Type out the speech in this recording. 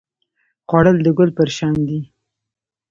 خوړل د ګل پر شان دی